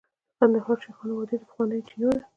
د کندهار شیخانو وادي د پخوانیو چینو ده